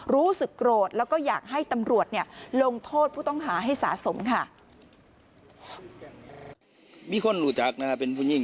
รู้สึกโกรธแล้วก็อยากให้ตำรวจลงโทษผู้ต้องหาให้สะสมค่ะ